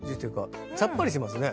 さっぱりしますね。